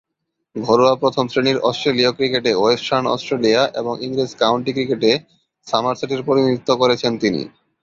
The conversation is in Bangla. ঘরোয়া প্রথম-শ্রেণীর অস্ট্রেলীয় ক্রিকেটে ওয়েস্টার্ন অস্ট্রেলিয়া এবং ইংরেজ কাউন্টি ক্রিকেটে সমারসেটের প্রতিনিধিত্ব করেছেন তিনি।